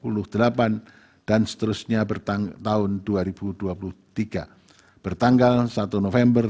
perihal kpu no empat ribu tiga ratus tiga puluh delapan dan seterusnya bertanggal satu november dua ribu dua puluh tiga